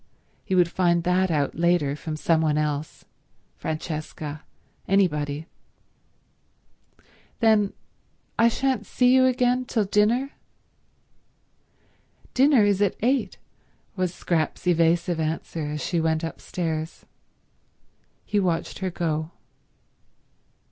He would find that out later from some one else—Francesca, anybody. "Then I shan't see you again till dinner?" "Dinner is at eight," was Scrap's evasive answer as she went upstairs. He watched her go.